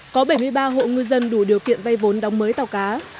có bảy mươi ba hộ ngư dân đủ điều kiện vay vốn đóng mới tàu cá